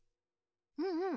うんうん。